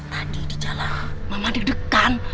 tadi di jalan mama digedekan